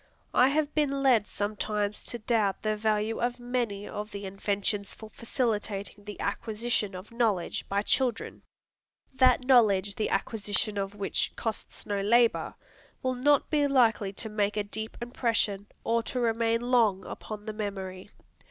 I have been led sometimes to doubt the value of many of the inventions for facilitating the acquisition of knowledge by children. That knowledge the acquisition of which costs no labor, will not be likely to make a deep impression, or to remain long upon the memory.